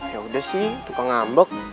yaudah sih tukang ngambek